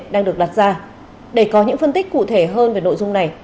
đang được đặt ra để có những phân tích cụ thể hơn về nội dung này